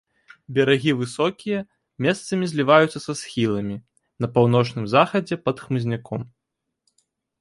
Берагі высокія, месцамі зліваюцца са схіламі, на паўночным захадзе пад хмызняком.